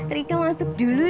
rika masuk dulu ya